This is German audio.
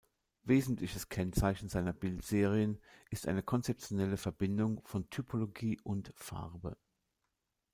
Wesentliches Kennzeichen seiner Bild-Serien ist eine konzeptionelle Verbindung von Typologie und Farbe.